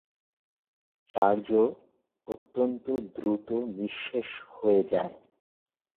চার্জও অত্যন্ত দ্রুত নিঃশেষ হয়ে যায়।